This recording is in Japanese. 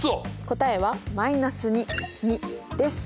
答えはです。